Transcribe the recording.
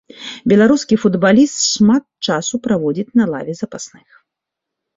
Беларускі футбаліст шмат часу праводзіць на лаве запасных.